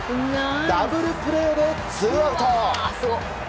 ダブルプレーでツーアウト！